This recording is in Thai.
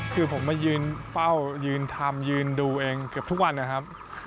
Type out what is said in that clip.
คือผมมายืนเฝ้ายืนทำยืนดูเองเกือบทุกวันนะครับ